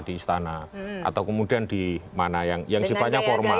di istana atau kemudian di mana yang sifatnya formal